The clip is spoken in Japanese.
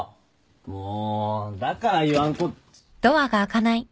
もうだから言わんこっ。